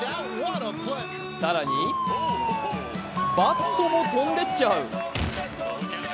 更にバットも飛んでっちゃう。